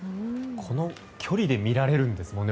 この距離で見られるんですもんね